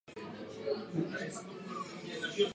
Ta ji nabízí pomoc i finanční prostředky.